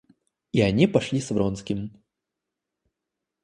И они пошли с Вронским.